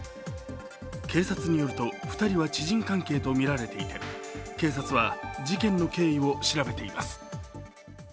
警察によると、２人は知人関係とみられていて警察は事件の経緯を調べています。